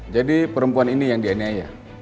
jadi perempuan ini yang dia niaya